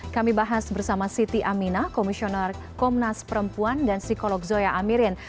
kami bahas bersama siti aminah komisioner komnas perempuan dan psikolog zoya amirin